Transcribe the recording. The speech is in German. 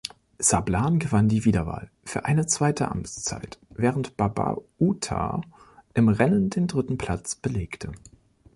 Sablan gewann die Wiederwahl für eine zweite Amtszeit, während Babauta im Rennen den dritten Platz belegte.